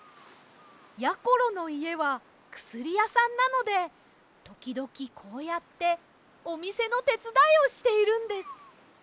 やころのいえはくすりやさんなのでときどきこうやっておみせのてつだいをしているんです。